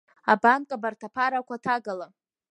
Абанк абарҭ аԥарақәа ҭагала!